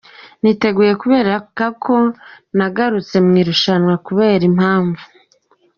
Niteguye kubereka ko nagarutse mu irushanwa kubera impamvu.